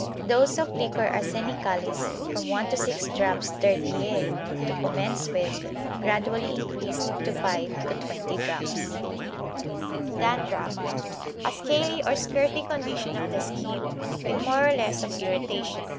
Dose of Liquor arsenicalis from 1 to 6 drops ter die to commence with, gradually increased to 5 to 20 drops. Dandruff. A scaly or scurfy condition of the skin, with more or less of irritation.